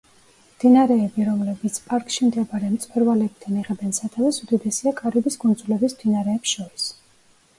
მდინარეები, რომლებიც პარკში მდებარე მწვერვალებიდან იღებენ სათავეს, უდიდესია კარიბის კუნძულების მდინარეებს შორის.